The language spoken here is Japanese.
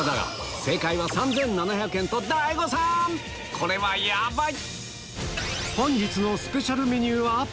これはヤバい！